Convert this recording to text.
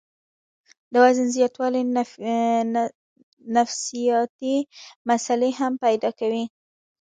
د وزن زياتوالے نفسياتي مسئلې هم پېدا کوي